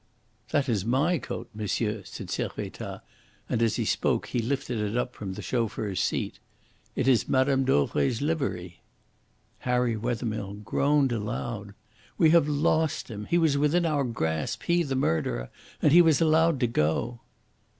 "That is my coat, monsieur," said Servettaz, and as he spoke he lifted it up from the chauffeur's seat. "It is Mme. Dauvray's livery." Harry Wethermill groaned aloud. "We have lost him. He was within our grasp he, the murderer! and he was allowed to go!"